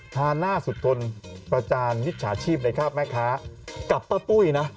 ทาน่าสุดทนประจานวิชาชีพใดครับแม่คะกับป้าปุ้ยนะ